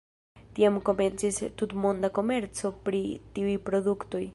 Tiam komencis tutmonda komerco pri tiuj produktoj.